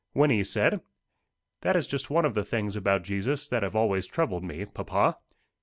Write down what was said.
Wynnie said: "That is just one of the things about Jesus that have always troubled me, papa."